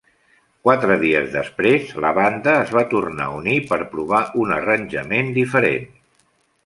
Quatre dies després, la banda es va tornar a unir per provar un arranjament diferent.